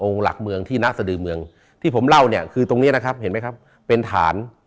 หลักเมืองที่นักสดือเมืองที่ผมเล่าเนี่ยคือตรงนี้นะครับเห็นไหมครับเป็นฐาน